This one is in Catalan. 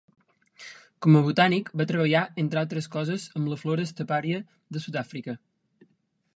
Com a botànic va treballar entre altres coses, amb la flora estepària de Sud-àfrica.